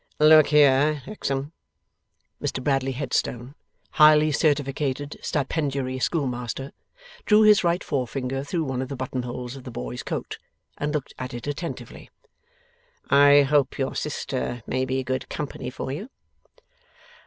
'Look here, Hexam.' Mr Bradley Headstone, highly certificated stipendiary schoolmaster, drew his right forefinger through one of the buttonholes of the boy's coat, and looked at it attentively. 'I hope your sister may be good company for you?